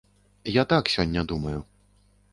Я так сёння думаю.